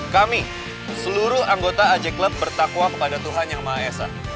kami seluruh anggota aja klub bertakwa kepada tuhan yang maha esa